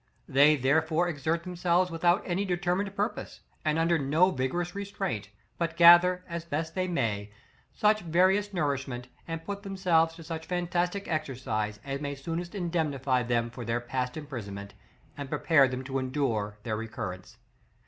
They therefore exert themselves without any determined purpose, and under no vigorous restraint, but gather, as best they may, such various nourishment, and put themselves to such fantastic exercise, as may soonest indemnify them for their past imprisonment, and prepare them to endure their recurrence.